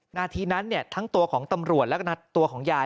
หน้าทีนั้นเนี่ยทั้งตัวของตำรวจและกับตัวของยาย